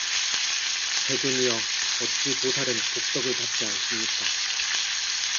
세존이여, 어찌 보살은 복덕을 받지 않습니까?